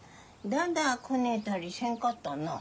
だだこねたりせんかったな。